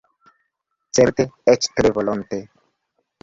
Certe, eĉ tre volonte.